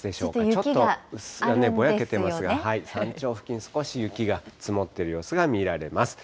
ちょっとうっすら、ぼやけていますが、山頂付近、少し雪が積もっている様子が見られます。